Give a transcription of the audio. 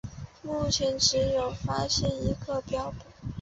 目前只有发现一个标本。